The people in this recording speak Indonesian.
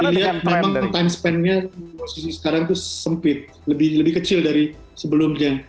kalau dilihat memang time span nya sekarang itu sempit lebih kecil dari sebelumnya